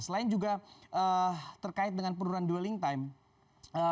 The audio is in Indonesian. selain juga terkait dengan penurunan dwelling time